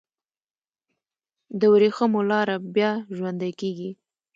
د وریښمو لاره بیا ژوندی کیږي؟